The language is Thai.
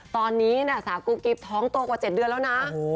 ตอนนี้สาวกุ๊กกิ๊บท้องโตกว่า๗เดือนแล้วนะ